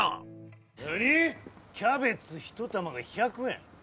何⁉キャベツ１玉が１００円？